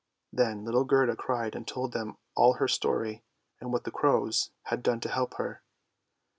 Then little Gerda cried and told them all her story, and what the crows had done to help her.